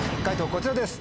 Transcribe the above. こちらです。